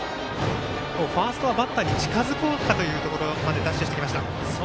ファーストはバッターに近づこうかというところまでダッシュしてきました。